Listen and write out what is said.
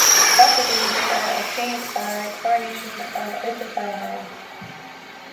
Classically they are obtained by chlorination of isocyanides.